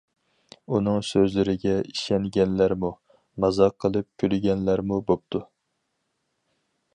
ئۇنىڭ سۆزلىرىگە ئىشەنگەنلەرمۇ، مازاق قىلىپ كۈلگەنلەرمۇ بوپتۇ.